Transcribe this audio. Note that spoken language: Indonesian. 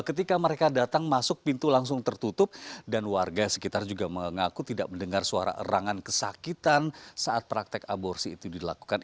ketika mereka datang masuk pintu langsung tertutup dan warga sekitar juga mengaku tidak mendengar suara erangan kesakitan saat praktek aborsi itu dilakukan